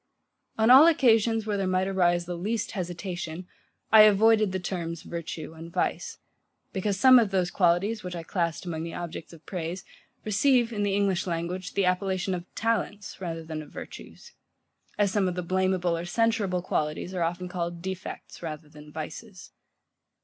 On all occasions, where there might arise the least hesitation, I avoided the terms VIRTUE and VICE; because some of those qualities, which I classed among the objects of praise, receive, in the English language, the appellation of TALENTS, rather than of virtues; as some of the blameable or censurable qualities are often called defects, rather than vices.